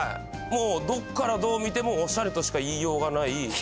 もうどっからどう見てもオシャレとしかいいようがない。